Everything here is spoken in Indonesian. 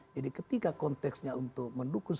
jadi ketika konteksnya untuk mendukung